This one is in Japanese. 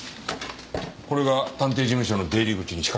これが探偵事務所の出入り口に仕掛けられていた？